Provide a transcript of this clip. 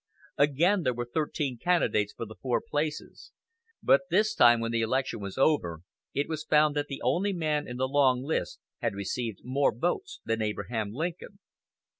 Again there were thirteen candidates for the four places; but this time, when the election was over, it was found that only one man in the long list had received more votes than Abraham Lincoln.